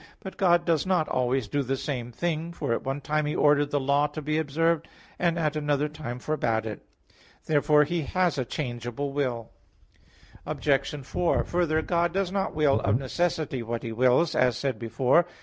But God does not always do the same thing, for at one time He ordered the law to be observed, and at another time forbade it. Therefore He has a changeable will. Obj. 4: Further, God does not will of necessity what He wills, as said before (A. 3).